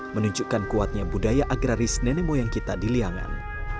menunjukkan kuatnya budaya agraris nenek moyang kita di liangan